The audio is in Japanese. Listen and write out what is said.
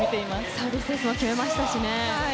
サービスエースも決めましたしね。